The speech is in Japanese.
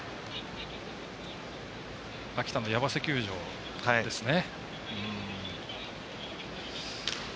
秋田の球場ですね。